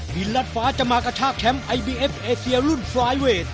ลัดฟ้าจะมากระชากแชมป์ไอบีเอฟเอเซียรุ่นไฟล์เวท